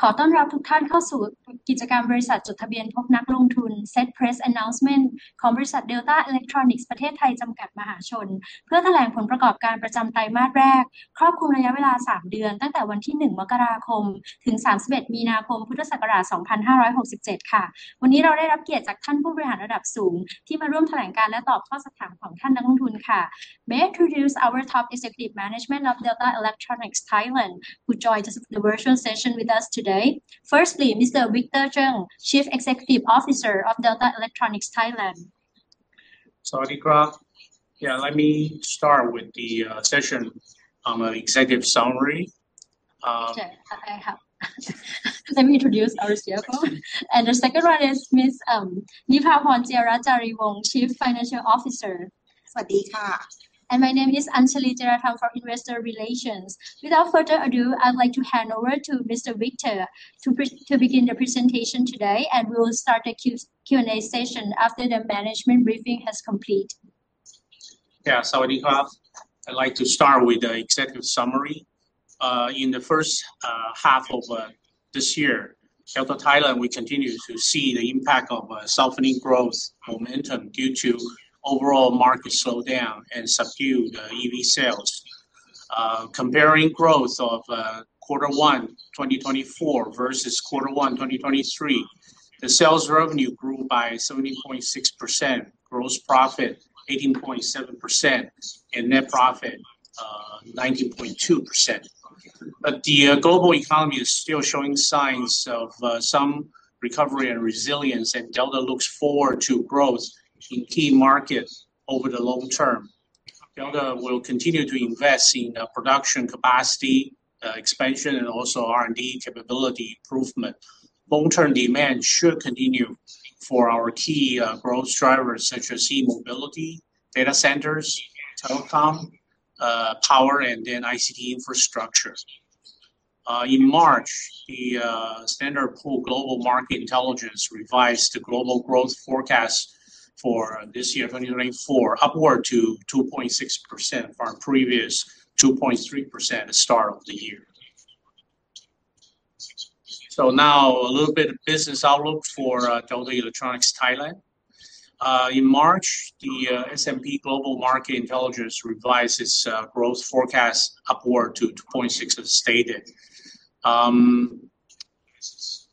May I introduce our top executive management of Delta Electronics (Thailand) who joined the virtual session with us today. Firstly, Mr. Victor Cheng, Chief Executive Officer of Delta Electronics (Thailand). สวัสดีครับ. Yeah, let me start with the session executive summary. Let me introduce our CFO. The second one is Ms. Nipaporn Jiarajareevong, Chief Financial Officer. สวัสดีค่ะ My name is Anchalee Jieratham from Investor Relations. Without further ado, I'd like to hand over to Mr. Victor Cheng to begin the presentation today, and we will start a Q&A session after the management briefing has complete. Yeah. Sawasdee krub. I'd like to start with the executive summary. In the first half of this year, Delta Thailand, we continue to see the impact of softening growth momentum due to overall market slowdown and subdued EV sales. Comparing growth of quarter one 2024 versus quarter one 2023, the sales revenue grew by 70.6%, gross profit 18.7%, and net profit 19.2%. The global economy is still showing signs of some recovery and resilience, and Delta looks forward to growth in key markets over the long term. Delta will continue to invest in production capacity expansion and also R&D capability improvement. Long-term demand should continue for our key growth drivers such as E-mobility, data centers, telecom, power, and then ICT infrastructure. In March, the S&P Global Market Intelligence revised the global growth forecast for this year, 2024, upward to 2.6% from previous 2.3% at start of the year. Now a little bit of business outlook for Delta Electronics (Thailand). In March, the S&P Global Market Intelligence revised its growth forecast upward to 2.6% as stated.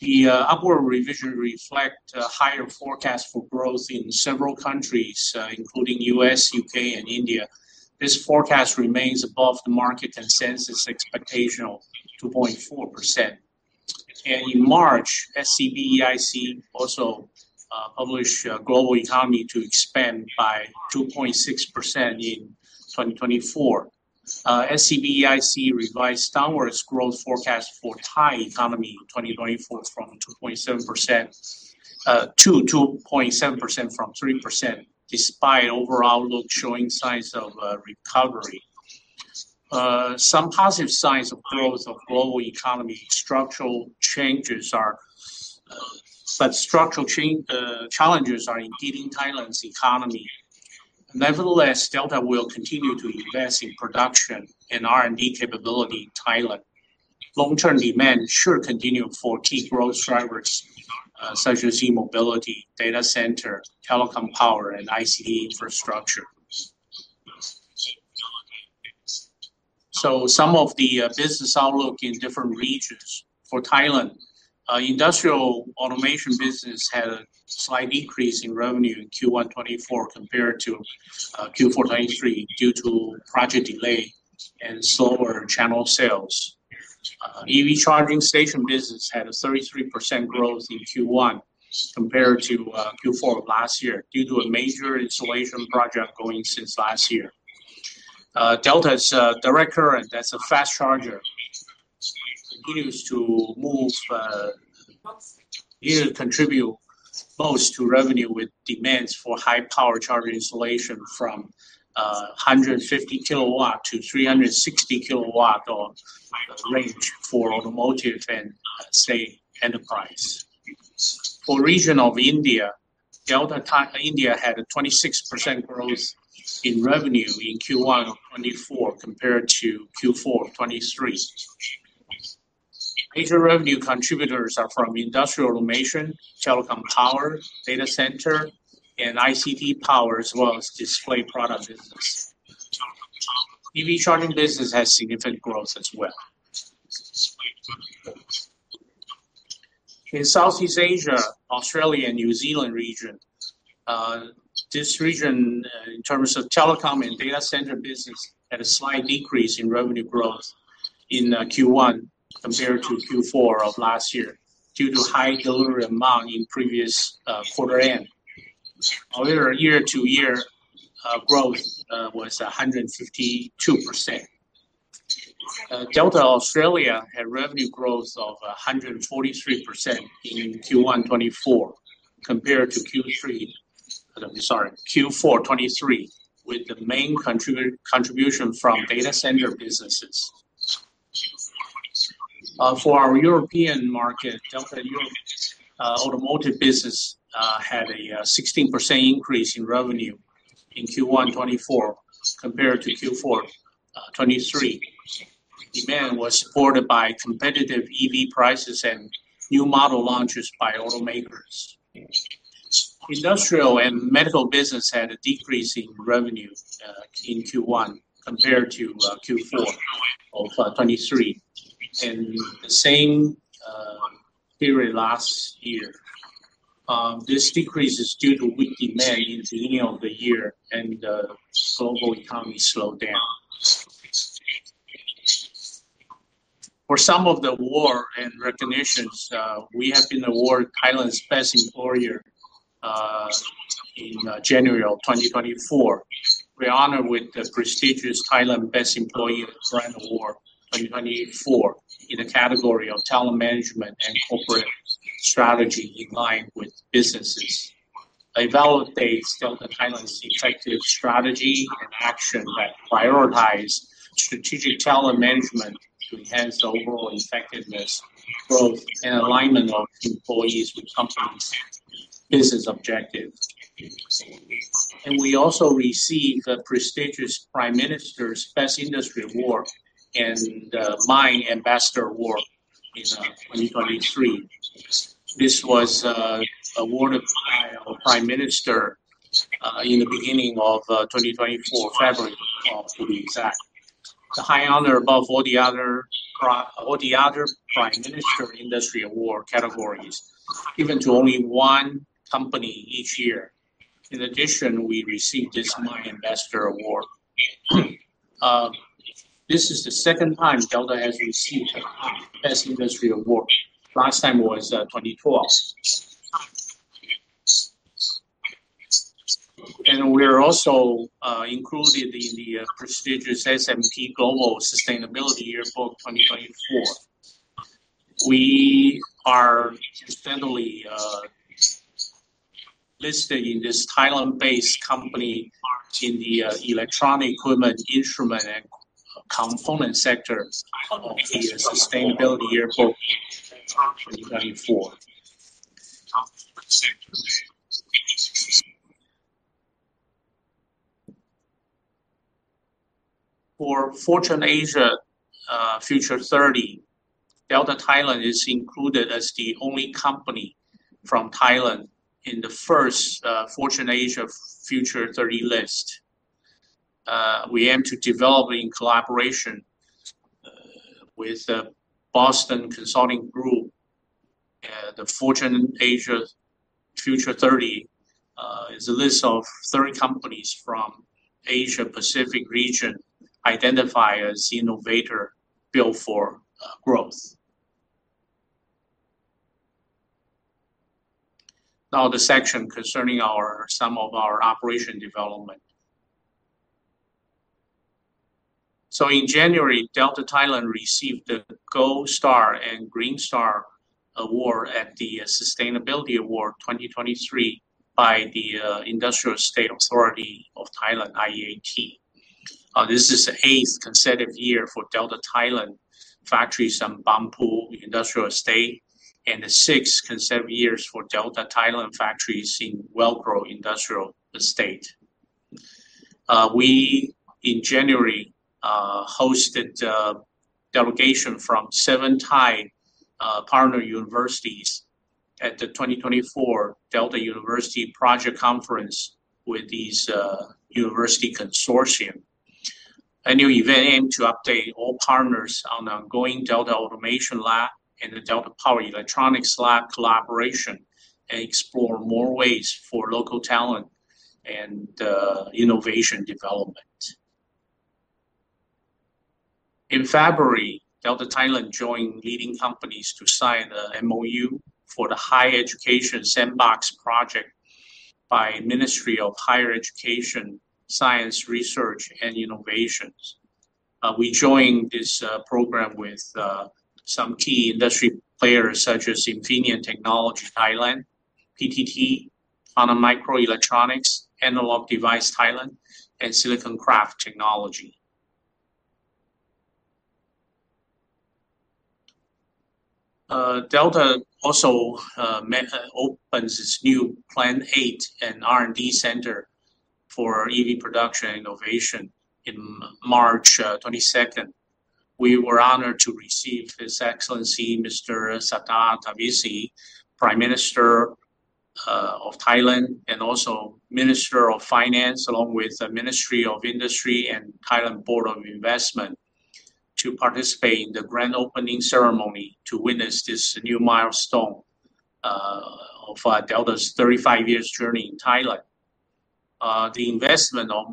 The upward revision reflects a higher forecast for growth in several countries, including U.S., U.K., and India. This forecast remains above the market consensus expectation of 2.4%. In March, SCB EIC also published global economy to expand by 2.6% in 2024. SCB EIC revised downwards growth forecast for Thai economy in 2024 from 3%-2.7%, despite overall look showing signs of recovery. Some positive signs of growth of global economy. Structural challenges are impeding Thailand's economy. Nevertheless, Delta will continue to invest in production and R&D capability in Thailand. Long-term demand should continue for key growth drivers, such as eMobility, data center, telecom power and ICT infrastructure. Some of the business outlook in different regions. For Thailand, industrial automation business had a slight increase in revenue in Q1 2024 compared to Q4 2023 due to project delay and slower channel sales. EV charging station business had a 33% growth in Q1 compared to Q4 of last year due to a major installation project going since last year. Delta's direct current, that's a fast charger, continues to contribute most to revenue with demands for high power charger installation from 150 kW to 360 kW of range for automotive and, say, enterprise. For region of India, Delta Electronics India had a 26% growth in revenue in Q1 of 2024 compared to Q4 of 2023. Major revenue contributors are from industrial automation, telecom power, data center, and ICT power, as well as display product business. EV charging business has significant growth as well. In Southeast Asia, Australia and New Zealand region, this region, in terms of telecom and data center business, had a slight decrease in revenue growth in Q1 compared to Q4 of last year due to high delivery amount in previous quarter end. However, year-to-year growth was 152%. Delta Australia had revenue growth of 143% in Q1 2024 compared to Q4 2023, with the main contribution from data center businesses. For our European market, Delta Europe, automotive business had a 16% increase in revenue in Q1 2024 compared to Q4 2023. Demand was supported by competitive EV prices and new model launches by automakers. Industrial and medical business had a decrease in revenue in Q1 compared to Q4 of 2023 and the same period last year. This decrease is due to weak demand in the beginning of the year and global economic slowdown. For some of the awards and recognitions, we have been awarded Thailand Best Employer Brand Award in January of 2024. We are honored with the prestigious Thailand Best Employer Brand Award 2024 in the category of talent management and corporate strategy in line with businesses. They validate Delta Thailand's effective strategy and action that prioritize strategic talent management to enhance the overall effectiveness, growth, and alignment of employees with company's business objectives. We also received the prestigious Prime Minister's Best Industry Award and MIND Ambassador Award in 2023. This was awarded by our Prime Minister in the beginning of 2024, February, to be exact. It's a high honor above all the other Prime Minister's Industry Award categories, given to only one company each year. In addition, we received this MIND Ambassador Award. This is the second time Delta has received the Prime Minister's Best Industry Award. Last time was 2022. We're also included in the prestigious S&P Global Sustainability Yearbook 2024. We are currently listed as this Thailand-based company in the electronic equipment, instrument, and component sector of the Sustainability Yearbook 2024. For Fortune Asia Future 30, Delta Thailand is included as the only company from Thailand in the first Fortune Asia Future 30 list. We aim to develop in collaboration with Boston Consulting Group. The Fortune Asia Future 30 is a list of 30 companies from Asia-Pacific region identified as innovators built for growth. Now the section concerning some of our operational development. In January, Delta Thailand received the Gold Star and Green Star Award at the Sustainability Award 2023 by the Industrial Estate Authority of Thailand, IEAT. This is the eighth consecutive year for Delta Thailand factories on Bangpoo Industrial Estate and the sixth consecutive years for Delta Thailand factories in Wellgrow Industrial Estate. In January, we hosted a delegation from seven Thai partner universities at the 2024 Delta University Project Conference with these university consortiums. A new event aimed to update all partners on the ongoing Delta Automation Lab and the Delta Power Electronics Lab collaboration and explore more ways for local talent and innovation development. In February, Delta Thailand joined leading companies to sign a MoU for the higher education sandbox project by Ministry of Higher Education, Science, Research and Innovation. We joined this program with some key industry players such as Infineon Technologies Thailand, PTT, Panasonic Microelectronics, Analog Devices Thailand, and Silicon Craft Technology. Delta also opens its new Plant Eight and R&D Center for EV production and innovation in March 22nd, 2022. We were honored to receive His Excellency, Mr. Srettha Thavisin, Prime Minister of Thailand and also Minister of Finance, along with the Ministry of Industry and Thailand Board of Investment, to participate in the grand opening ceremony to witness this new milestone of Delta's 35-year journey in Thailand. The investment of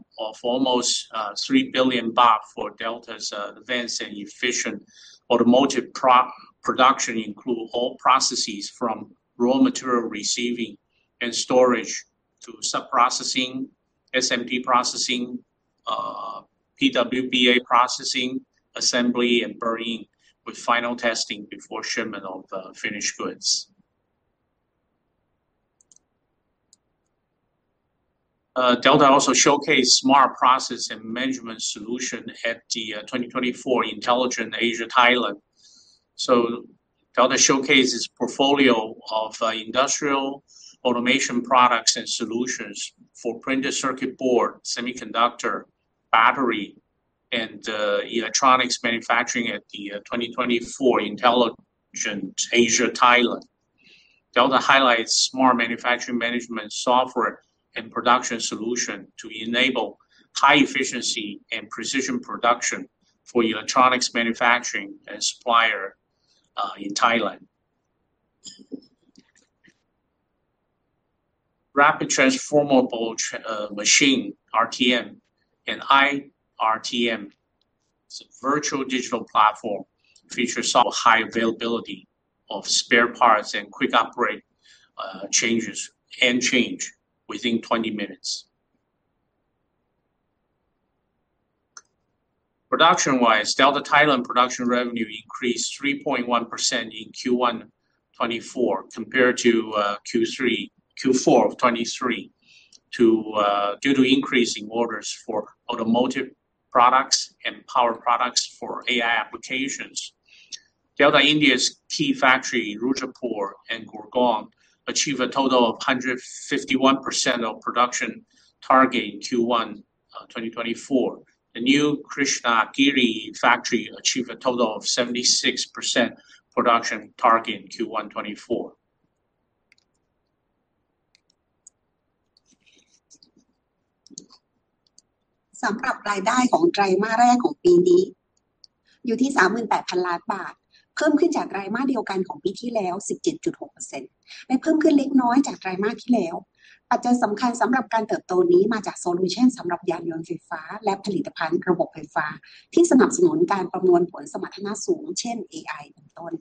almost 3 billion baht for Delta's advanced and efficient automotive production include all processes from raw material receiving and storage to sub-processing, SMT processing, PWBA processing, assembly, and burning, with final testing before shipment of the finished goods. Delta also showcased smart process and management solution at the 2024 Intelligent Asia Thailand. Delta showcases portfolio of industrial automation products and solutions for printed circuit board, semiconductor, battery, and electronics manufacturing at the 2024 Intelligent Asia Thailand. Delta highlights smart manufacturing management software and production solution to enable high efficiency and precision production for electronics manufacturing and supplier in Thailand. Rapid Transformable Machine RTM and iRTM. Its virtual digital platform features high availability of spare parts and quick operate changes can change within 20 minutes. Production wise, Delta Thailand production revenue increased 3.1% in Q1 2024 compared to Q4 of 2023 due to increasing orders for automotive products and power products for AI applications. Delta India's key factory in Rudrapur and Gurgaon achieve a total of 151% of production target in Q1 2024. The new Krishnagiri factory achieve a total of 76% production target in Q1 2024. สำหรับรายได้ของไตรมาสแรกของปีนี้อยู่ที่ 38,000 ล้านบาทเพิ่มขึ้นจากไตรมาสเดียวกันของปีที่แล้ว 17.6% และเพิ่มขึ้นเล็กน้อยจากไตรมาสที่แล้วปัจจัยสำคัญสำหรับการเติบโตนี้มาจาก Solution สำหรับยานยนต์ไฟฟ้าและผลิตภัณฑ์ระบบไฟฟ้าที่สนับสนุนการประมวลผลสมรรถนะสูงเช่น AI เป็นต้น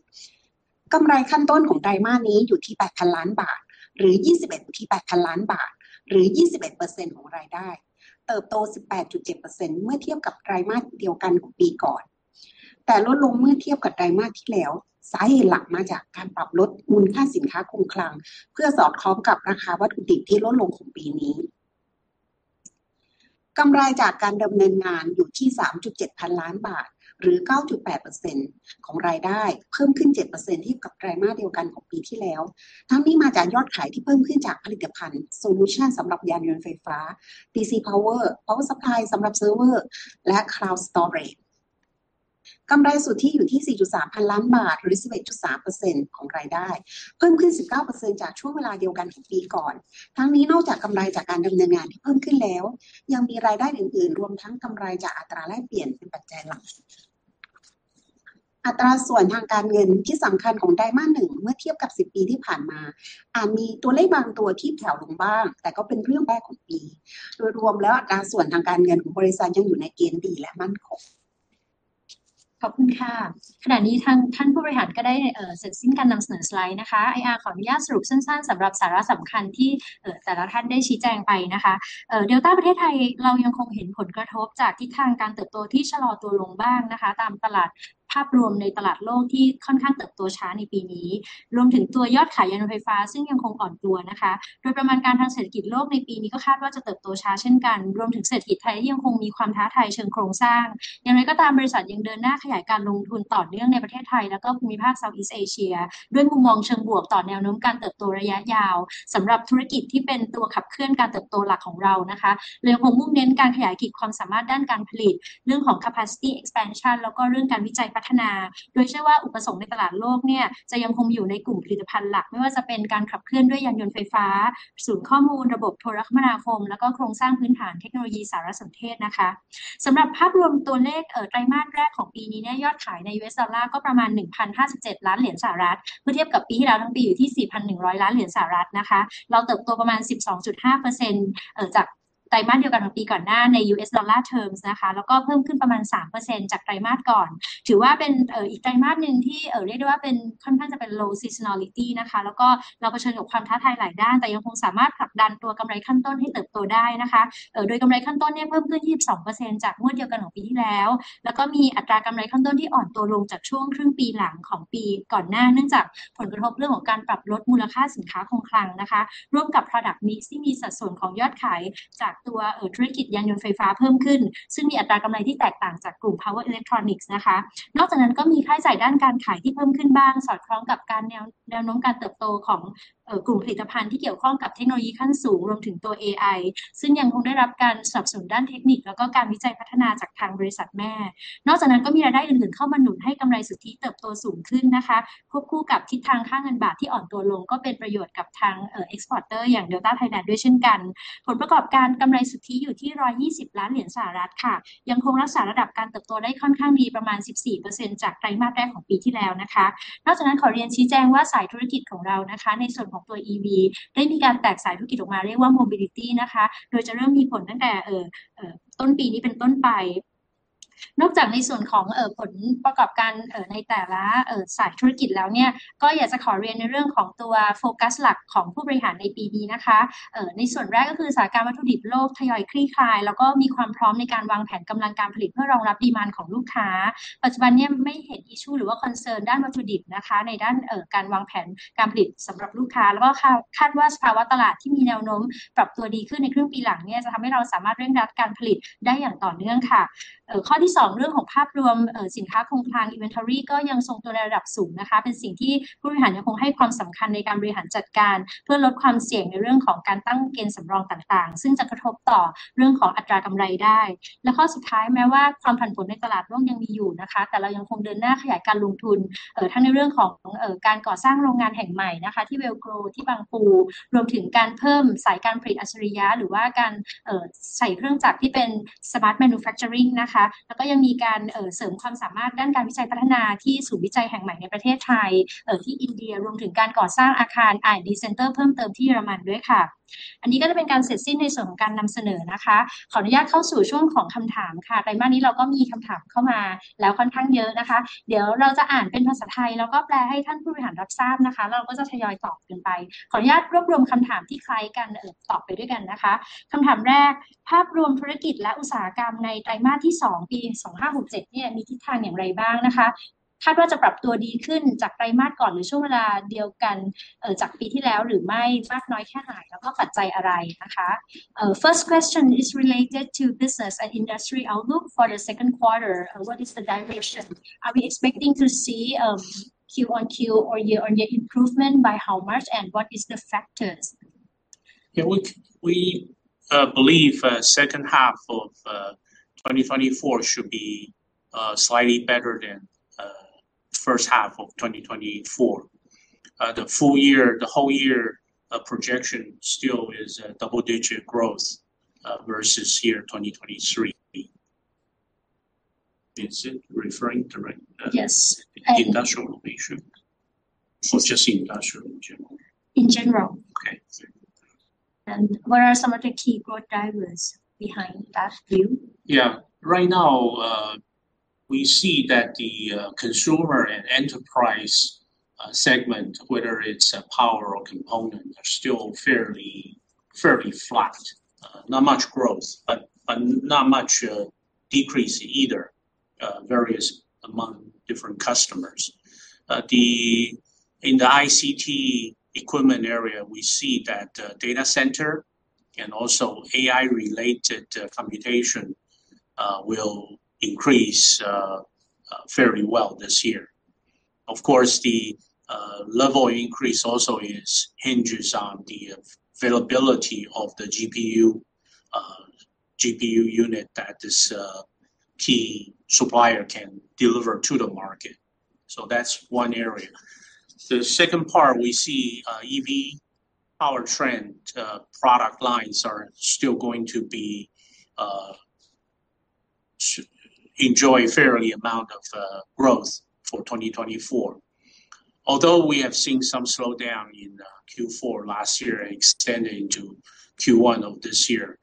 กำไรขั้นต้นของไตรมาสนี้อยู่ที่ 8,000 ล้านบาทหรือ 21% ของรายได้เติบโต 18.7% เมื่อเทียบกับไตรมาสเดียวกันของปีก่อนแต่ลดลงเมื่อเทียบกับไตรมาสที่แล้วสาเหตุหลักมาจากการปรับลดมูลค่าสินค้าคงคลังเพื่อสอดคล้องกับราคาวัตถุดิบที่ลดลงของปีนี้กำไรจากการดำเนินงานอยู่ที่ 3,700 ล้านบาทหรือ 9.8% ของรายได้เพิ่มขึ้น 7% เทียบกับไตรมาสเดียวกันของปีที่แล้วทั้งนี้มาจากยอดขายที่เพิ่มขึ้นจากผลิตภัณฑ์ Solution สำหรับยานยนต์ไฟฟ้า, PC Power Supply สำหรับ Server และ Cloud Storage กำไรสุทธิอยู่ที่ 4,300 ล้านบาทหรือ 11.3% ของรายได้เพิ่มขึ้น 19% จากช่วงเวลาเดียวกันของปีก่อนทั้งนี้นอกจากกำไรจากการดำเนินงานที่เพิ่มขึ้นแล้วยังมีรายได้อื่นๆรวมทั้งกำไรจากอัตราแลกเปลี่ยนเป็นปัจจัยหลักอัตราส่วนทางการเงินที่สำคัญของไตรมาสหนึ่งเมื่อเทียบกับสิบปีที่ผ่านมาอาจมีตัวเลขบางตัวที่แผ่วลงบ้างแต่ก็เป็นเรื่องแรกของปีโดยรวมแล้วอัตราส่วนทางการเงินของบริษัทยังอยู่ในเกณฑ์ดีและมั่นคงขอบคุณค่ะขณะนี้ทางท่านผู้บริหารก็ได้เสร็จสิ้นการนำเสนอสไลด์นะคะ IR ขออนุญาตสรุปสั้นๆสำหรับสาระสำคัญที่แต่ละท่านได้ชี้แจงไปนะคะ Delta ประเทศไทยเรายังคงเห็นผลกระทบจากทิศทางการเติบโตที่ชะลอตัวลงบ้างนะคะตามตลาดภาพรวมในตลาดโลกที่ค่อนข้างเติบโตช้าในปีนี้รวมถึงตัวยอดขายยานยนต์ไฟฟ้าซึ่งยังคงอ่อนตัวนะคะโดยประมาณการทางเศรษฐกิจโลกในปีนี้ก็คาดว่าจะเติบโตช้าเช่นกันรวมถึงเศรษฐกิจไทยที่ยังคงมีความท้าทายเชิงโครงสร้างอย่างไรก็ตามบริษัทยังเดินหน้าขยายการลงทุนต่อเนื่องในประเทศไทยแล้วก็ภูมิภาค Southeast Asia ด้วยมุมมองเชิงบวกต่อแนวโน้มการเติบโตระยะยาวสำหรับธุรกิจที่เป็นตัวขับเคลื่อนการเติบโตหลักของเรานะคะเลยยังคงมุ่งเน้นการขยายขีดความสามารถด้านการผลิตเรื่องของ Capacity Expansion แล้วก็เรื่องการวิจัยพัฒนาโดยเชื่อว่าอุปสงค์ในตลาดโลกเนี่ยจะยังคงอยู่ในกลุ่มผลิตภัณฑ์หลักไม่ว่าจะเป็นการขับเคลื่อนด้วยยานยนต์ไฟฟ้าศูนย์ข้อมูลระบบโทรคมนาคมแล้วก็โครงสร้างพื้นฐานเทคโนโลยีสารสนเทศนะคะสำหรับภาพรวมตัวเลขไตรมาสแรกของปีนี้เนี่ยยอดขายใน USD ก็ประมาณ USD 1,557 ล้านเมื่อเทียบกับปีที่แล้วทั้งปีอยู่ที่ USD 4,100 ล้านนะคะเราเติบโตประมาณ 12.5% จากไตรมาสเดียวกันของปีก่อนหน้าใน USD Terms นะคะแล้วก็เพิ่มขึ้นประมาณ 3% จากไตรมาสก่อนถือว่าเป็นอีกไตรมาสนึงที่เรียกได้ว่าค่อนข้างจะเป็น Low Seasonality นะคะแล้วก็เราเผชิญกับความท้าทายหลายด้านแต่ยังคงสามารถผลักดันตัวกำไรขั้นต้นให้เติบโตได้นะคะโดยกำไรขั้นต้นเนี่ยเพิ่มขึ้น 22% จากงวดเดียวกันของปีที่แล้วแล้วก็มีอัตรากำไรขั้นต้นที่อ่อนตัวลงจากช่วงครึ่งปีหลังของปีก่อนหน้าเนื่องจากผลกระทบเรื่องของการปรับลดมูลค่าสินค้าคงคลังนะคะร่วมกับ Product Mix ที่มีสัดส่วนของยอดขายจากธุรกิจยานยนต์ไฟฟ้าเพิ่มขึ้นซึ่งมีอัตรากำไรที่แตกต่างจากกลุ่ม Power Electronics นะคะนอกจากนั้นก็มีค่าใช้จ่ายด้านการขายที่เพิ่มขึ้นบ้างสอดคล้องกับแนวโน้มการเติบโตของกลุ่มผลิตภัณฑ์ที่เกี่ยวข้องกับเทคโนโลยีขั้นสูงรวมถึงตัว AI ซึ่งยังคงได้รับการสนับสนุนด้านเทคนิคแล้วก็การวิจัยพัฒนาจากทางบริษัทแม่นอกจากนั้นก็มีรายได้อื่นๆเข้ามาหนุนให้กำไรสุทธิเติบโตสูงขึ้นนะคะควบคู่กับทิศทางค่าเงินบาทที่อ่อนตัวลงก็เป็นประโยชน์กับทาง Exporter อย่าง Delta Thailand ด้วยเช่นกันผลประกอบการกำไรสุทธิอยู่ที่ USD 120 ล้านค่ะยังคงรักษาระดับการเติบโตได้ค่อนข้างดีประมาณ 14% จากไตรมาสแรกของปีที่แล้วนะคะนอกจากนั้นขอเรียนชี้แจงว่าสายธุรกิจของเรานะคะในส่วนของตัว EV ได้มีการแตกสายธุรกิจออกมาเรียกว่า Mobility นะคะโดยจะเริ่มมีผลตั้งแต่ต้นปีนี้เป็นต้นไปนอกจากในส่วนของผลประกอบการในแต่ละสายธุรกิจแล้วเนี่ยก็อยากจะขอเรียนในเรื่องของตัว Focus หลักของผู้บริหารในปีนี้นะคะในส่วนแรกก็คือสถานการณ์วัตถุดิบโลกทยอยคลี่คลายแล้วก็มีความพร้อมในการวางแผนกำลังการผลิตเพื่อรองรับ demand ของลูกค้าปัจจุบันนี้ไม่เห็น issue หรือว่า concern ด้านวัตถุดิบนะคะในด้านการวางแผนการผลิตสำหรับลูกค้าแล้วก็คาดว่าสภาวะตลาดที่มีแนวโน้มปรับตัวดีขึ้นในครึ่งปีหลังเนี่ยจะทำให้เราสามารถเร่งการผลิตได้อย่างต่อเนื่องค่ะข้อที่สองเรื่องของภาพรวม Inventory ก็ยังทรงตัวในระดับสูงนะคะเป็นสิ่งที่ผู้บริหารยังคงให้ความสำคัญในการบริหารจัดการเพื่อลดความเสี่ยงในเรื่องของการตั้งเกณฑ์สำรองต่างๆซึ่งจะกระทบต่อเรื่องของอัตรากำไรได้และข้อสุดท้ายแม้ว่าความผันผวนในตลาดโลกยังมีอยู่นะคะแต่เรายังคงเดินหน้าขยายการลงทุนทั้งในเรื่องของการก่อสร้างโรงงานแห่งใหม่นะคะที่ Well Grow ที่บางปูรวมถึงการเพิ่มสายการผลิตอัจฉริยะหรือว่าการใส่เครื่องจักรที่เป็น Smart Manufacturing นะคะแล้วก็ยังมีการเสริมความสามารถด้านการวิจัยและพัฒนาที่ศูนย์วิจัยแห่งใหม่ในประเทศไทยที่อินเดียรวมถึงการก่อสร้างอาคาร R&D Center เพิ่มเติมที่เยอรมันด้วยค่ะอันนี้ก็จะเป็นการเสร็จสิ้นในส่วนของการนำเสนอนะคะขออนุญาตเข้าสู่ช่วงของคำถามค่ะไตรมาสนี้เราก็มีคำถามเข้ามาค่อนข้างเยอะนะคะเดี๋ยวเราจะอ่านเป็นภาษาไทยแล้วก็แปลให้ท่านผู้บริหารรับทราบนะคะแล้วเราก็จะทยอยตอบกันไปขออนุญาตรวบรวมคำถามที่คล้ายกันตอบไปด้วยกันนะคะคำถามแรกภาพรวมธุรกิจและอุตสาหกรรมในไตรมาสที่สองปี 2567 เนี่ยมีทิศทางอย่างไรบ้างนะคะคาดว่าจะปรับตัวดีขึ้นจากไตรมาสก่อนหรือช่วงเวลาเดียวกันจากปีที่แล้วหรือไม่มากน้อยแค่ไหนแล้วก็ปัจจัยอะไรนะคะ First question is related to business and industry outlook for the second quarter. What is the direction? Are we expecting to see a Q-on-Q or year-on-year improvement? By how much and what is the factors? We believe second half of 2024 should be slightly better than first half of 2024. The full year, the whole year projection still is a double-digit growth versus year 2023. Is it referring to right? Yes. Industrial location or just industrial in general? In general. Okay. What are some of the key growth drivers behind that view? Yeah. Right now we see that the consumer and enterprise segment, whether it's a power or component, are still fairly flat. Not much growth, but not much decrease either. It varies among different customers. Then in the ICT equipment area, we see that data center and also AI related computation will increase fairly well this year. Of course, the level increase also hinges on the availability of the GPU unit that this key supplier can deliver to the market. So that's one area. The second part we see EV powertrain product lines are still going to enjoy fair amount of growth for 2024. Although we have seen some slowdown in Q4 last year extending to Q1 of this year.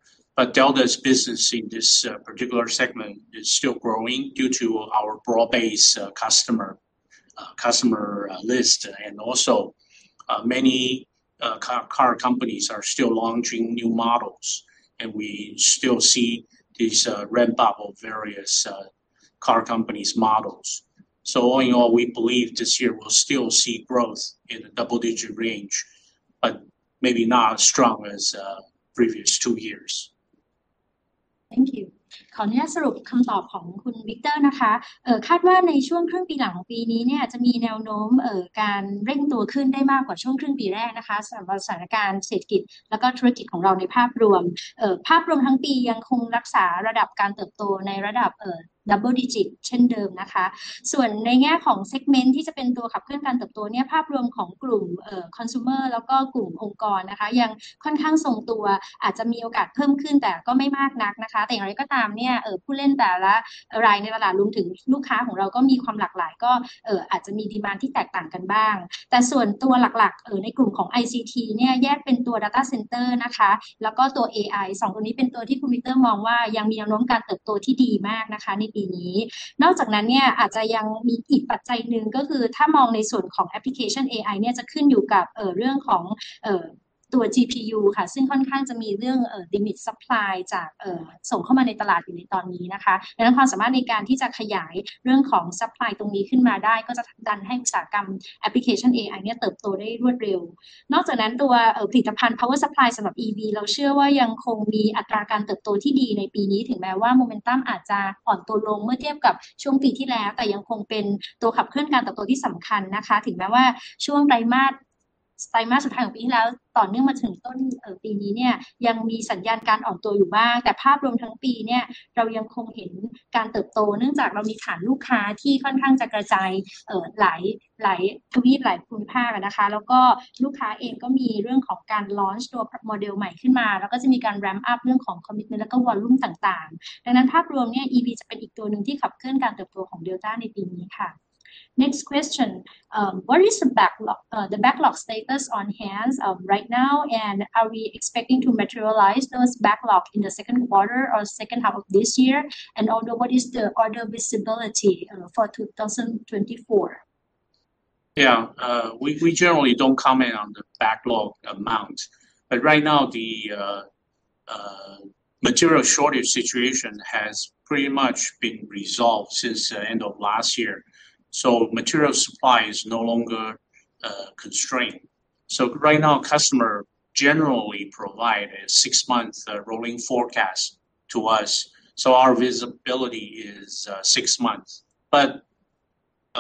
Delta's business in this particular segment is still growing due to our broad base customer list, and also many car companies are still launching new models, and we still see this ramp up of various car companies models. All in all, we believe this year we'll still see growth in the double-digit range, but maybe not as strong as previous two years. Thank you. ขออนุญาตสรุปคำตอบของคุณ Victor นะคะคาดว่าในช่วงครึ่งปีหลังของปีนี้เนี่ยจะมีแนวโน้มการเร่งตัวขึ้นได้มากกว่าช่วงครึ่งปีแรกนะคะสำหรับสถานการณ์เศรษฐกิจแล้วก็ธุรกิจของเราในภาพรวมภาพรวมทั้งปียังคงรักษาระดับการเติบโตในระดับ Double Digit เช่นเดิมนะคะส่วนในแง่ของ Segment ที่จะเป็นตัวขับเคลื่อนการเติบโตเนี่ยภาพรวมของกลุ่ม Consumer แล้วก็กลุ่มองค์กรนะคะยังค่อนข้างทรงตัวอาจจะมีโอกาสเพิ่มขึ้นแต่ก็ไม่มากนักนะคะแต่อย่างไรก็ตามเนี่ยผู้เล่นแต่ละรายในตลาดรวมถึงลูกค้าของเราก็มีความหลากหลายก็อาจจะมี demand ที่แตกต่างกันบ้างแต่ส่วนตัวหลักๆในกลุ่มของ ICT เนี่ยแยกเป็นตัว Data Center นะคะแล้วก็ตัว AI สองตัวนี้เป็นตัวที่คุณ Victor มองว่ายังมีแนวโน้มการเติบโตที่ดีมากนะคะในปีนี้นอกจากนั้นเนี่ยอาจจะยังมีอีกปัจจัยหนึ่งก็คือถ้ามองในส่วนของ Application AI เนี่ยจะขึ้นอยู่กับเรื่องของตัว GPU ค่ะซึ่งค่อนข้างจะมีเรื่อง Limit Supply จากการส่งเข้ามาในตลาดอยู่ในตอนนี้นะคะดังนั้นความสามารถในการที่จะขยายเรื่องของ Supply ตรงนี้ขึ้นมาได้ก็จะดันให้อุตสาหกรรม Application AI เนี่ยเติบโตได้รวดเร็วนอกจากนั้นตัวผลิตภัณฑ์ Power Supply สำหรับ EV เราเชื่อว่ายังคงมีอัตราการเติบโตที่ดีในปีนี้ถึงแม้ว่าโมเมนตัมอาจจะอ่อนตัวลงเมื่อเทียบกับช่วงปีที่แล้วแต่ยังคงเป็นตัวขับเคลื่อนการเติบโตที่สำคัญนะคะถึงแม้ว่าช่วงไตรมาสสุดท้ายของปีที่แล้วต่อเนื่องมาถึงต้นปีนี้เนี่ยยังมีสัญญาณการอ่อนตัวอยู่บ้างแต่ภาพรวมทั้งปีเนี่ยเรายังคงเห็นการเติบโตเนื่องจากเรามีฐานลูกค้าที่ค่อนข้างจะกระจายหลายหลายทวีปหลายภูมิภาคอ่ะนะคะแล้วก็ลูกค้าเองก็มีเรื่องของการ Launch ตัว Model ใหม่ขึ้นมาแล้วก็จะมีการ ramp up เรื่องของ commitment แล้วก็ volume ต่างๆดังนั้นภาพรวมเนี่ย EV จะเป็นอีกตัวหนึ่งที่ขับเคลื่อนการเติบโตของ Delta ในปีนี้ค่ะ What is the backlog status on hand right now? Are we expecting to materialize those backlog in the second quarter or second half of this year? What is the order visibility for 2024? Yeah, we generally don't comment on the backlog amount. Right now, the material shortage situation has pretty much been resolved since the end of last year. Material supply is no longer constrained. Right now, customer generally provide a six-month rolling forecast to us. Our visibility is six months.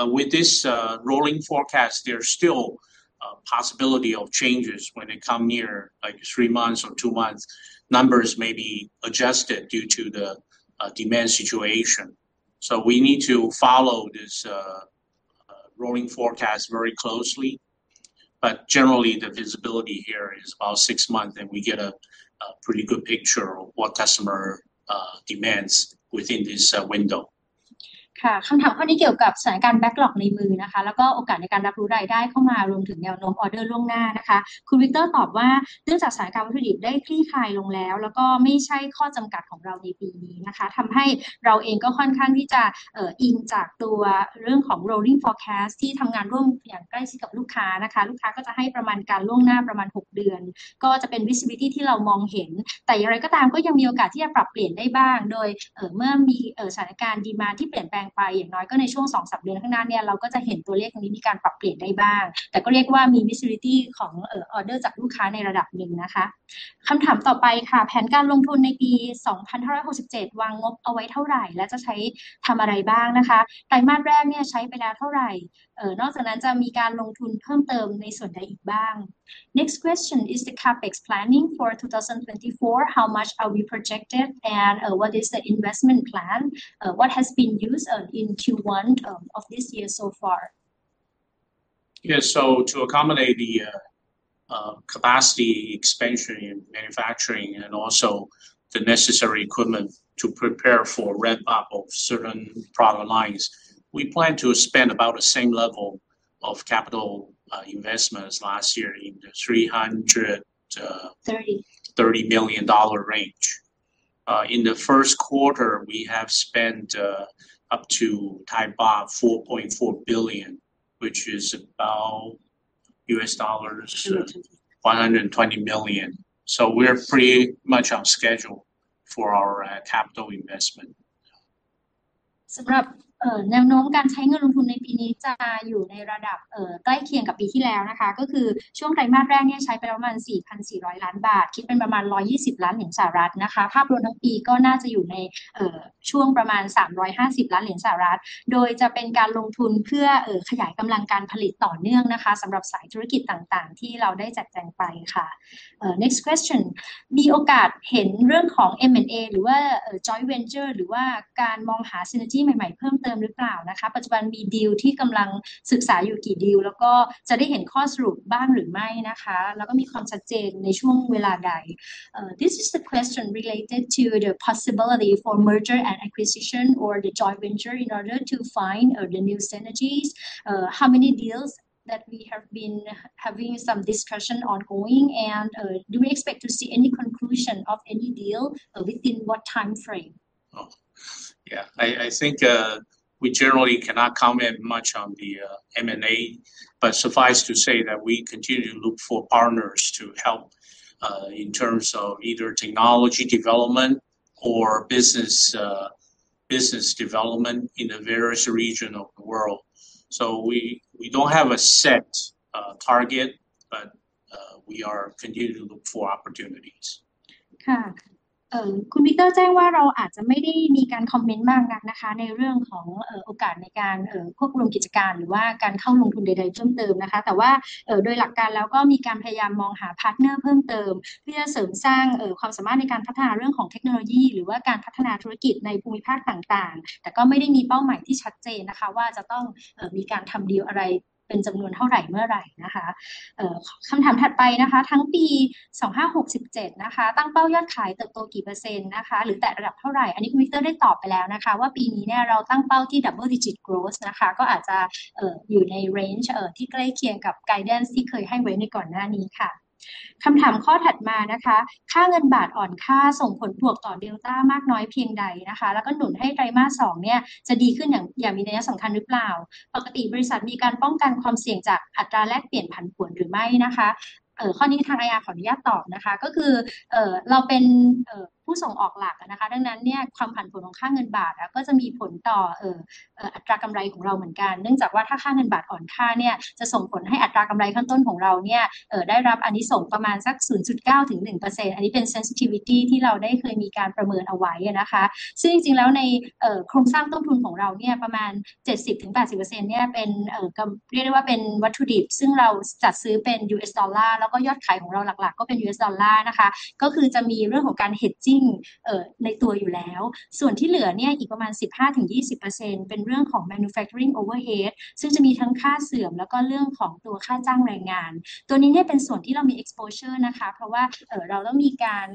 With this rolling forecast, there's still a possibility of changes when they come near like three months or two months. Numbers may be adjusted due to the demand situation. We need to follow this rolling forecast very closely. Generally, the visibility here is about six months and we get a pretty good picture of what customer demands within this window. คำถามข้อนี้เกี่ยวกับสถานการณ์ backlog ในมือนะคะแล้วก็โอกาสในการรับรู้รายได้เข้ามารวมถึงแนวโน้ม order ล่วงหน้านะคะคุณ Victor ตอบว่าเนื่องจากสถานการณ์วัตถุดิบได้คลี่คลายลงแล้วแล้วก็ไม่ใช่ข้อจำกัดของเราในปีนี้นะคะทำให้เราเองก็ค่อนข้างที่จะอิงจากตัวเรื่องของ rolling forecast ที่ทำงานร่วมอย่างใกล้ชิดกับลูกค้านะคะลูกค้าก็จะให้ประมาณการล่วงหน้าประมาณหกเดือนก็จะเป็น visibility ที่เรามองเห็นแต่อย่างไรก็ตามก็ยังมีโอกาสที่จะปรับเปลี่ยนได้บ้างโดยเมื่อมีสถานการณ์ demand ที่เปลี่ยนแปลงไปอย่างน้อยก็ในช่วงสองสามเดือนข้างหน้าเนี่ยเราก็จะเห็นตัวเลขตรงนี้มีการปรับเปลี่ยนได้บ้างแต่ก็เรียกว่ามี visibility ของ order จากลูกค้าในระดับหนึ่งนะคะคำถามต่อไปค่ะแผนการลงทุนในปี 2567 วางงบเอาไว้เท่าไหร่และจะใช้ทำอะไรบ้างนะคะไตรมาสแรกเนี่ยใช้ไปแล้วเท่าไหร่นอกจากนั้นจะมีการลงทุนเพิ่มเติมในส่วนใดอีกบ้าง Next question is the CapEx planning for 2024. How much are we projected and what is the investment plan? What has been used in Q1 of this year so far? Yes. To accommodate the capacity expansion in manufacturing and also the necessary equipment to prepare for ramp up of certain product lines, we plan to spend about the same level of capital investments last year in the 300. Thirty. $30 million range. In the first quarter we have spent up to 4.4 billion, which is about $120 million. We are pretty much on schedule for our capital investment. สำหรับแนวโน้มการใช้เงินลงทุนในปีนี้จะอยู่ในระดับใกล้เคียงกับปีที่แล้วนะคะก็คือช่วงไตรมาสแรกเนี่ยใช้ไปแล้วประมาณ 4,400 ล้านบาทคิดเป็นประมาณ 120 ล้านเหรียญสหรัฐนะคะภาพรวมทั้งปีก็น่าจะอยู่ในช่วงประมาณ 350 ล้านเหรียญสหรัฐโดยจะเป็นการลงทุนเพื่อขยายกำลังการผลิตต่อเนื่องนะคะสำหรับสายธุรกิจต่างๆที่เราได้จัดแจงไปค่ะ Next question มีโอกาสเห็นเรื่องของ M&A หรือว่า Joint Venture หรือว่าการมองหา Synergy ใหม่ๆเพิ่มเติมหรือเปล่านะคะปัจจุบันมี Deal ที่กำลังศึกษาอยู่กี่ Deal แล้วก็จะได้เห็นข้อสรุปบ้างหรือไม่นะคะแล้วก็มีความชัดเจนในช่วงเวลาใด This is the question related to the possibility for merger and acquisition or the joint venture in order to find the new synergies. How many deals that we have been having some discussion ongoing, and do we expect to see any conclusion of any deal within what time frame? Oh, yeah, I think we generally cannot comment much on the M&A, but suffice to say that we continue to look for partners to help in terms of either technology development or business development in the various regions of the world. We don't have a set target, but we are continuing to look for opportunities. คุณ Victor แจ้งว่าเราอาจจะไม่ได้มีการ comment มากนักในเรื่องของโอกาสในการควบรวมกิจการหรือการเข้าลงทุนใดๆเพิ่มเติมแต่โดยหลักการแล้วก็มีการพยายามมองหา partner เพิ่มเติมเพื่อเสริมสร้างความสามารถในการพัฒนาเรื่องของเทคโนโลยีหรือการพัฒนาธุรกิจในภูมิภาคต่างๆแต่ก็ไม่ได้มีเป้าหมายที่ชัดเจนว่าจะต้องมีการทำ deal อะไรเป็นจำนวนเท่าไหร่เมื่อไหร่คำถามถัดไปค่ะทั้งปี 2567 ตั้งเป้ายอดขายเติบโตกี่% หรือแตะระดับเท่าไหร่อันนี้คุณ Victor ได้ตอบไปแล้วว่าปีนี้เราตั้งเป้าที่ double digit growth ก็อาจจะอยู่ใน range ที่ใกล้เคียงกับ guidance ที่เคยให้ไว้ในก่อนหน้านี้ค่ะคำถามข้อถัดมาค่ะค่าเงินบาทอ่อนค่าส่งผลบวกต่อ Delta มากน้อยเพียงใดแล้วก็หนุนให้ไตรมาสสองจะดีขึ้นอย่างมีนัยสำคัญหรือเปล่าปกติบริษัทมีการป้องกันความเสี่ยงจากอัตราแลกเปลี่ยนผันผวนหรือไม่ข้อนี้ทาง Nipaporn ขออนุญาตตอบค่ะเราเป็นผู้ส่งออกหลักอ่ะนะคะดังนั้นความผันผวนของค่าเงินบาทก็จะมีผลต่ออัตรากำไรของเราเหมือนกันเนื่องจากว่าถ้าค่าเงินบาทอ่อนค่าจะส่งผลให้อัตรากำไรขั้นต้นของเราได้รับอานิสงส์ประมาณสัก 0.9 ถึง 1% อันนี้เป็น sensitivity ที่เราได้เคยมีการประเมินเอาไว้ซึ่งจริงๆแล้วในโครงสร้างต้นทุนของเราประมาณ 70 ถึง 80% เป็นวัตถุดิบซึ่งเราจัดซื้อเป็น US dollar แล้วก็ยอดขายของเราหลักๆก็เป็น US dollar ก็คือจะมีเรื่องของการ hedging ในตัวอยู่แล้วส่วนที่เหลืออีกประมาณ 15 ถึง 20% เป็นเรื่องของ manufacturing overhead ซึ่งจะมีทั้งค่าเสื่อมแล้วก็เรื่องของค่าจ้างแรงงานตัวนี้เป็นส่วนที่เรามี exposure เพราะว่าเราต้องมีการ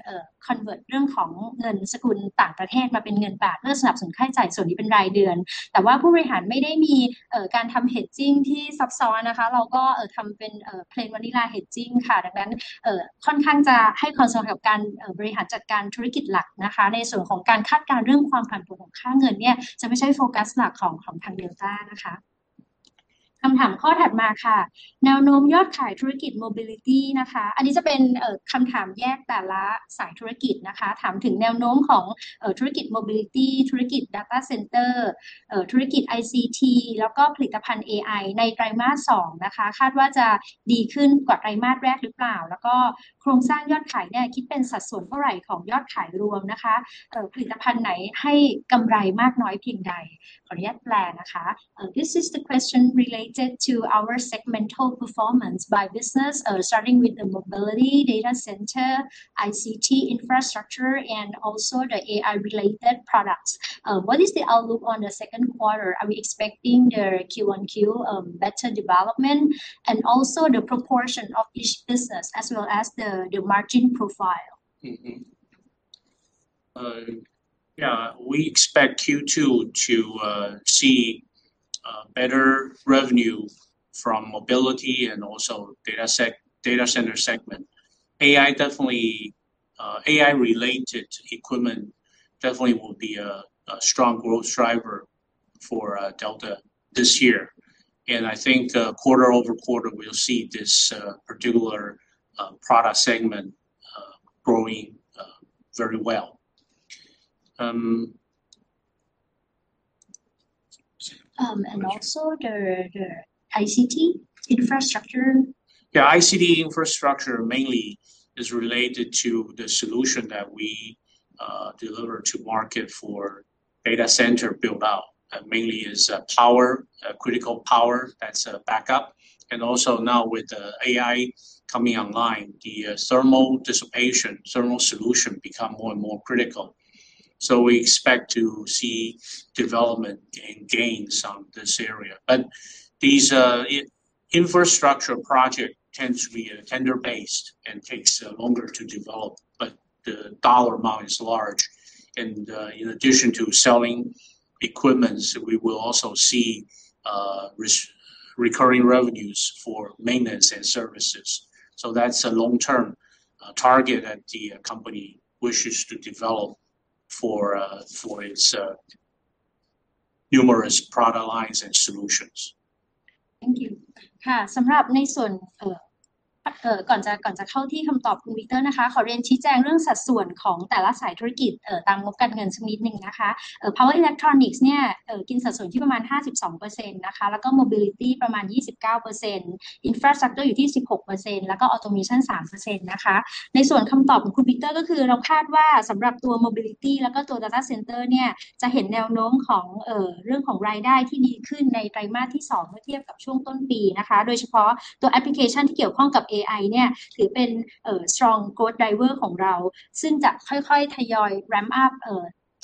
convert เรื่องของเงินสกุลต่างประเทศมาเป็นเงินบาทเพื่อสนับสนุนค่าใช้จ่ายส่วนนี้เป็นรายเดือนแต่ผู้บริหารไม่ได้มีการทำ hedging ที่ซับซ้อนเราทำเป็น Plain Vanilla Hedging ค่ะดังนั้นค่อนข้างจะให้ concern กับการบริหารจัดการธุรกิจหลักในส่วนของการคาดการณ์เรื่องความผันผวนของค่าเงินจะไม่ใช่ focus หลักของทาง Delta ค่ะคำถามข้อถัดมาค่ะแนวโน้มยอดขายธุรกิจ Mobility อันนี้จะเป็นคำถามแยกแต่ละสายธุรกิจถามถึงแนวโน้มของธุรกิจ Mobility, ธุรกิจ Data Center, ธุรกิจ ICT แล้วก็ผลิตภัณฑ์ AI ในไตรมาสสองคาดว่าจะดีขึ้นกว่าไตรมาสแรกหรือเปล่าแล้วก็โครงสร้างยอดขายคิดเป็นสัดส่วนเท่าไหร่ของยอดขายรวมผลิตภัณฑ์ไหนให้กำไรมากน้อยเพียงใดขออนุญาตแปลนะคะ This is the question related to our segmental performance by business. Starting with the Mobility, Data Center, ICT infrastructure and also the AI related products. What is the outlook on the second quarter? Are we expecting the Q-on-Q better development and also the proportion of each business as well as the margin profile. Yeah, we expect Q2 to see better revenue from Mobility and also Data Center segment. AI-related equipment definitely will be a strong growth driver for Delta this year. I think quarter-over-quarter we'll see this particular product segment growing very well. The ICT infrastructure. Yeah, ICT infrastructure mainly is related to the solution that we deliver to market for data center build out. Mainly is power, critical power that's backup. Also now with the AI coming online, the thermal dissipation, thermal solution become more and more critical. We expect to see development and gains on this area. These infrastructure project tends to be tender based and takes longer to develop. The dollar amount is large. In addition to selling equipment, we will also see recurring revenues for maintenance and services. That's a long term target that the company wishes to develop for its numerous product lines and solutions. Thank you. สำหรับในส่วนก่อนจะเข้าที่คำตอบคุณปีเตอร์นะคะขอเรียนชี้แจงเรื่องสัดส่วนของแต่ละสายธุรกิจตามงบการเงินสักนิดนึงนะคะ Power Electronics เนี่ยกินสัดส่วนที่ประมาณ 52% นะคะแล้วก็ Mobility ประมาณ 29% Infrastructure อยู่ที่ 16% แล้วก็ Automation 3% นะคะในส่วนคำตอบของคุณปีเตอร์ก็คือเราคาดว่าสำหรับตัว Mobility แล้วก็ตัว Data Center เนี่ยจะเห็นแนวโน้มของเรื่องของรายได้ที่ดีขึ้นในไตรมาสที่สองเมื่อเทียบกับช่วงต้นปีนะคะโดยเฉพาะตัวแอปพลิเคชันที่เกี่ยวข้องกับ AI เนี่ยถือเป็น Strong Growth Driver ของเราซึ่งจะค่อยๆทยอย ramp up จากไตรมาสหนึ่งไปอีกไตรมาสหนึ่งต่อเนื่องตลอดทั้งปีนี้นะคะ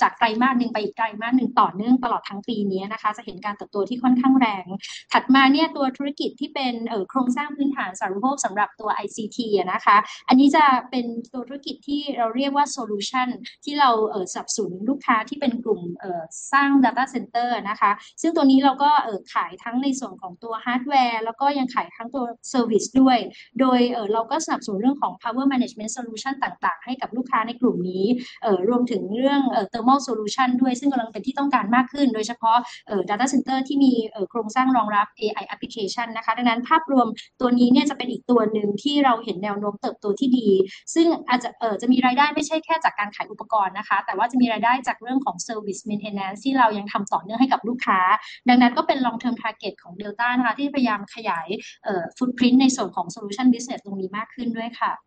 จะเห็นการเติบโตที่ค่อนข้างแรงถัดมาเนี่ยตัวธุรกิจที่เป็นโครงสร้างพื้นฐานสาธารณูปโภคสำหรับตัว ICT อ่ะนะคะอันนี้จะเป็นตัวธุรกิจที่เราเรียกว่า Solution ที่เราสนับสนุนลูกค้าที่เป็นกลุ่มสร้าง Data Center นะคะซึ่งตัวนี้เราก็ขายทั้งในส่วนของตัว Hardware แล้วก็ยังขายทั้งตัว Service ด้วยโดยเราก็สนับสนุนเรื่องของ Power Management Solution ต่างๆให้กับลูกค้าในกลุ่มนี้รวมถึงเรื่อง Thermal Management ด้วยซึ่งกำลังเป็นที่ต้องการมากขึ้นโดยเฉพาะ Data Center ที่มีโครงสร้างรองรับ AI Application นะคะดังนั้นภาพรวมตัวนี้เนี่ยจะเป็นอีกตัวหนึ่งที่เราเห็นแนวโน้มเติบโตที่ดีซึ่งอาจจะมีรายได้ไม่ใช่แค่จากการขายอุปกรณ์นะคะแต่ว่าจะมีรายได้จากเรื่องของ Service Maintenance ที่เรายังทำต่อเนื่องให้กับลูกค้าดังนั้นก็เป็น Long Term Target ของ Delta นะคะที่จะพยายามขยาย footprint ในส่วนของ Solution Business ตรงนี้มากขึ้นด้วยค่ะ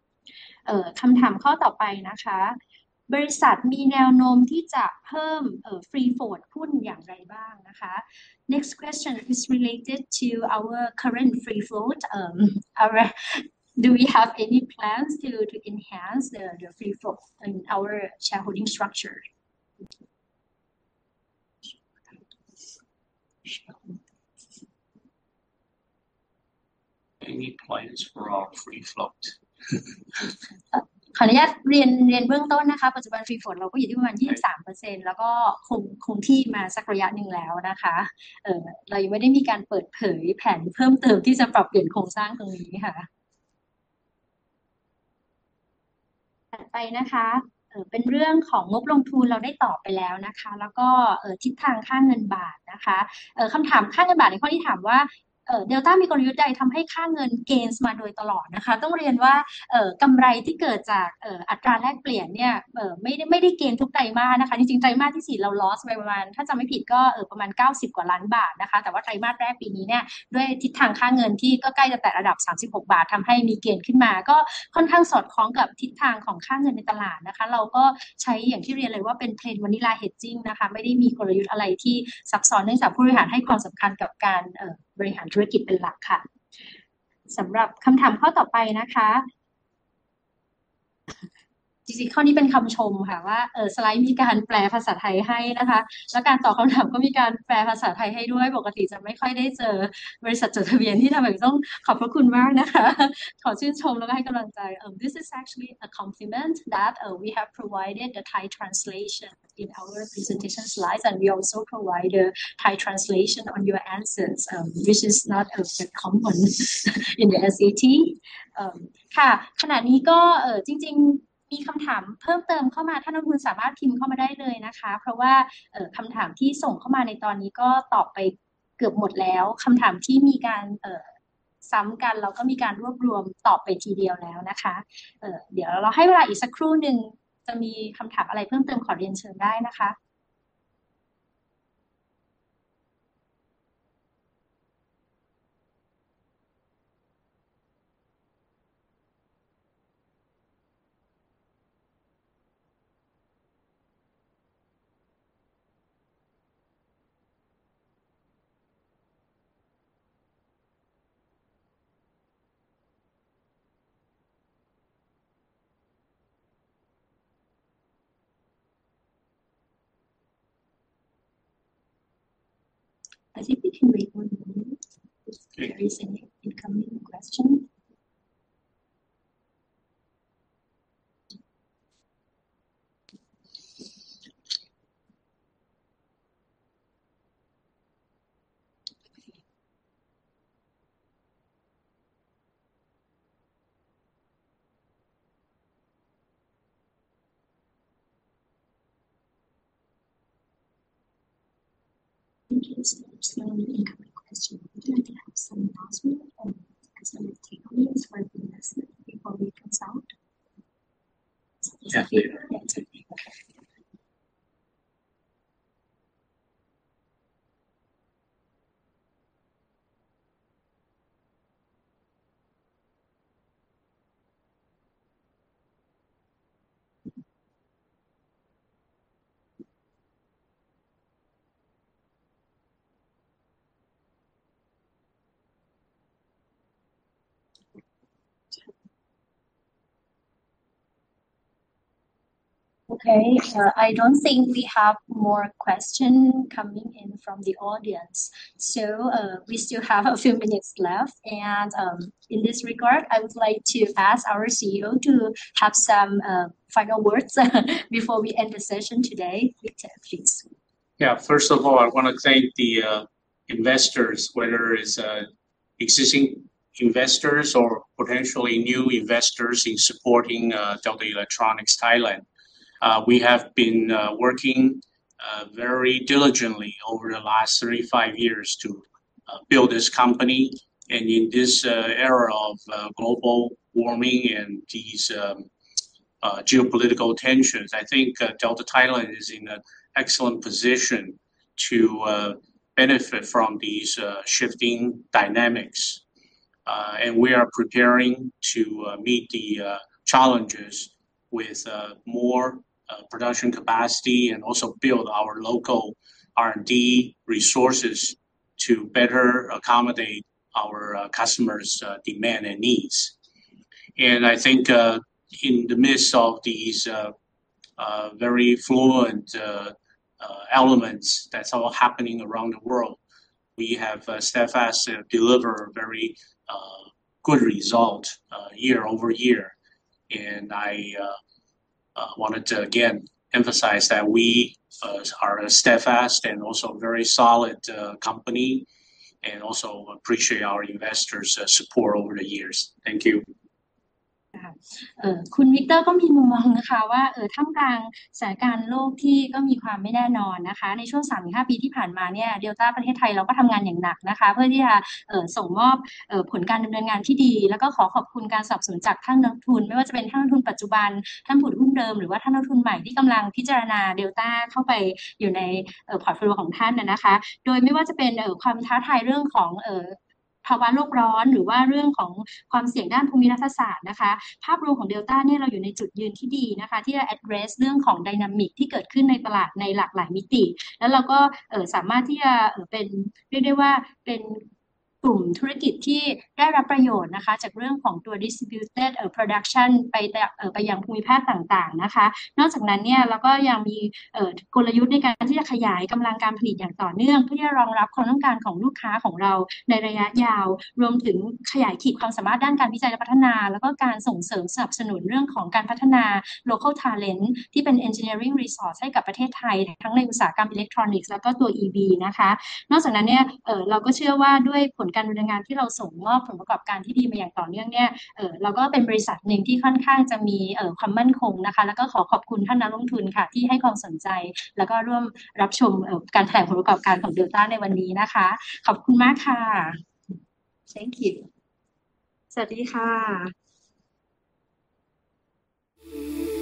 คำถามข้อต่อไปนะคะบริษัทมีแนวโน้มที่จะเพิ่ม free float หุ้นอย่างไรบ้างนะคะ Next question is related to our current free float. Do we have any plans to enhance the free float in our shareholding structure? Any plans for our free float? ขออนุญาตเรียนเบื้องต้นนะคะปัจจุบัน free float เราก็อยู่ที่ประมาณ 23% แล้วก็คงที่มาสักระยะหนึ่งแล้วนะคะเราไม่ได้มีการเปิดเผยแผนเพิ่มเติมที่จะปรับเปลี่ยนโครงสร้างตรงนี้ค่ะถัดไปนะคะเป็นเรื่องของงบลงทุนเราได้ตอบไปแล้วนะคะแล้วก็ทิศทางค่าเงินบาทนะคะคำถามค่าเงินบาทในข้อนี้ถามว่า Delta มีกลยุทธ์ใดทำให้ค่าเงิน gains มาโดยตลอดนะคะต้องเรียนว่ากำไรที่เกิดจากอัตราแลกเปลี่ยนเนี่ยไม่ได้ gain ทุกไตรมาสนะคะจริงๆไตรมาสที่สี่เรา loss ไปประมาณถ้าจำไม่ผิดก็ประมาณเก้าสิบกว่าล้านบาทนะคะแต่ว่าไตรมาสแรกปีนี้เนี่ยด้วยทิศทางค่าเงินที่ก็ใกล้จะแตะระดับ 36 บาททำให้มี gain ขึ้นมาก็ค่อนข้างสอดคล้องกับทิศทางของค่าเงินในตลาดนะคะเราก็ใช้อย่างที่เรียนเลยว่าเป็น Plain Vanilla Hedging นะคะไม่ได้มีกลยุทธ์อะไรที่ซับซ้อนเนื่องจากผู้บริหารให้ความสำคัญกับการบริหารธุรกิจเป็นหลักค่ะสำหรับคำถามข้อต่อไปนะคะจริงๆข้อนี้เป็นคำชมค่ะว่าสไลด์มีการแปลภาษาไทยให้นะคะแล้วการตอบคำถามก็มีการแปลภาษาไทยให้ด้วยปกติจะไม่ค่อยได้เจอบริษัทจดทะเบียนที่ทำอย่างนี้ต้องขอบพระคุณมากนะคะขอชื่นชมแล้วก็ให้กำลังใจ This is actually a compliment that we have provided the Thai translation in our presentation slides. We also provide the Thai translation on your answers, which is not common in the SET. ขณะนี้ก็จริงๆมีคำถามเพิ่มเติมเข้ามาท่านนักลงทุนสามารถพิมพ์เข้ามาได้เลยนะคะเพราะว่าคำถามที่ส่งเข้ามาในตอนนี้ก็ตอบไปเกือบหมดแล้วคำถามที่มีการซ้ำกันเราก็มีการรวบรวมตอบไปทีเดียวแล้วนะคะเดี๋ยวเราให้เวลาอีกสักครู่นึงจะมีคำถามอะไรเพิ่มเติมขอเรียนเชิญได้นะคะ I think we can wait one moment if there is any incoming question. Thank you so much for the incoming question. Would you like to have some last-minute and some takeaways for investors before we close out? Yeah, please. Okay, I don't think we have more questions coming in from the audience. We still have a few minutes left and in this regard, I would like to ask our CEO to have some final words before we end the session today. Victor, please. Yeah, first of all, I want to thank the investors whether it is existing investors or potentially new investors in supporting Delta Electronics (Thailand). We have been working very diligently over the last 35 years to build this company. In this era of global warming and these geopolitical tensions, I think Delta Electronics (Thailand) is in an excellent position to benefit from these shifting dynamics. We are preparing to meet the challenges with more production capacity and also build our local R&D resources to better accommodate our customers' demand and needs. I think in the midst of these very fluid elements that are all happening around the world, we have steadfastly delivered very good results year-over-year. I want to again emphasize that we are a steadfast and also very solid company and also appreciate our investors' support over the years. Thank you. คุณ Victor ก็มีมุมมองนะคะว่าท่ามกลางสถานการณ์โลกที่ก็มีความไม่แน่นอนนะคะในช่วงสามถึงห้าปีที่ผ่านมาเนี่ย Delta ประเทศไทยเราก็ทำงานอย่างหนักนะคะเพื่อที่จะส่งมอบผลการดำเนินงานที่ดีแล้วก็ขอขอบคุณการสนับสนุนจากท่านนักลงทุนไม่ว่าจะเป็นท่านนักลงทุนปัจจุบันท่านนักลงทุนดั้งเดิมหรือว่าท่านนักลงทุนใหม่ที่กำลังพิจารณา Delta เข้าไปอยู่ใน portfolio ของท่านนะคะโดยไม่ว่าจะเป็นความท้าทายเรื่องของภาวะโลกร้อนหรือว่าเรื่องของความเสี่ยงด้านภูมิรัฐศาสตร์นะคะภาพรวมของ Delta เนี่ยเราอยู่ในจุดยืนที่ดีนะคะที่จะ address เรื่องของ dynamic ที่เกิดขึ้นในตลาดในหลากหลายมิติแล้วเราก็สามารถที่จะเป็นเรียกได้ว่าเป็นกลุ่มธุรกิจที่ได้รับประโยชน์นะคะจากเรื่องของตัว Distributed Production ไปยังภูมิภาคต่างๆนะคะนอกจากนั้นเนี่ยเราก็ยังมีกลยุทธ์ในการที่จะขยายกำลังการผลิตอย่างต่อเนื่องเพื่อที่จะรองรับความต้องการของลูกค้าของเราในระยะยาวรวมถึงขยายขีดความสามารถด้านการวิจัยและพัฒนาแล้วก็การส่งเสริมสนับสนุนเรื่องของการพัฒนา Local Talent ที่เป็น Engineering Resource ให้กับประเทศไทยทั้งในอุตสาหกรรม Electronics แล้วก็ตัว EV นะคะนอกจากนั้นเนี่ยเราก็เชื่อว่าด้วยผลการดำเนินงานที่เราส่งมอบผลประกอบการที่ดีมาอย่างต่อเนื่องเนี่ยเราก็เป็นบริษัทหนึ่งที่ค่อนข้างจะมีความมั่นคงนะคะแล้วก็ขอขอบคุณท่านนักลงทุนค่ะที่ให้ความสนใจแล้วก็ร่วมรับชมการแถลงผลประกอบการของ Delta ในวันนี้นะคะขอบคุณมากค่ะ Thank you สวัสดีค่ะ